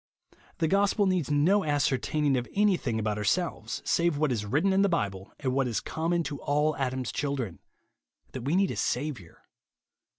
The gospel needs no ascertaining of anything about ourselves, save what is written in the Bible, and what is common to all Adam's children, — that we need a Saviour.